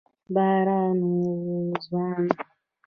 باران و ځوان